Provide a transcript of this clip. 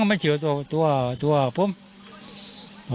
เอาให้เจอตัวตัว